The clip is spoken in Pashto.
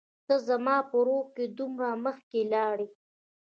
ته زما په روح کي دومره مخکي لاړ يي